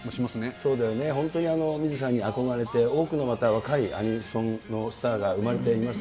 そうだよね、本当に水木さんに憧れて多くのまた若いアニソンのスターが生まれています。